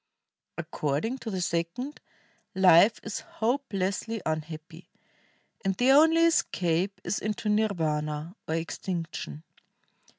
According to the second, life is hopelessly unhappy, and the only escape is into nirvana, or extinction.